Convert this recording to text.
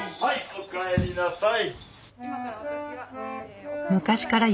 おかえりなさい！